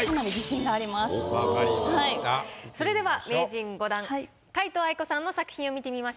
それでは名人５段皆藤愛子さんの作品を見てみましょう。